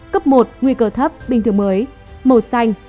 cấp một nguy cơ thấp bình thường mới màu xanh